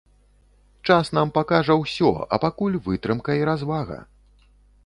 Час нам пакажа ўсё, а пакуль вытрымка і развага.